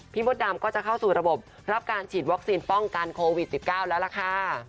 มดดำก็จะเข้าสู่ระบบรับการฉีดวัคซีนป้องกันโควิด๑๙แล้วล่ะค่ะ